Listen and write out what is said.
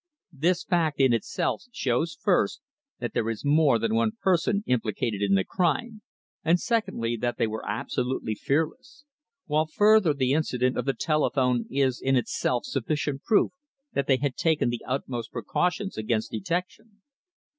This fact, in itself, shows first, that there is more than one person implicated in the crime, and secondly, that they were absolutely fearless; while further, the incident of the telephone is in itself sufficient proof that they had taken the utmost precautions against detection."